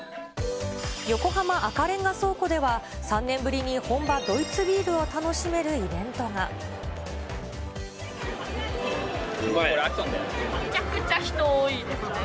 横浜赤レンガ倉庫では３年ぶりに本場、ドイツビールを楽しめるイうまいね。